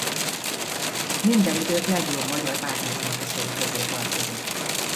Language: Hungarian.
Minden idők legjobb magyar Wagner-énekesei közé tartozott.